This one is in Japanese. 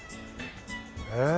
ええ。